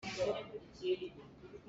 Pho tiah a kah.